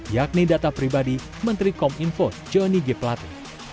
yakni data pribadi menteri kom info joni g pelati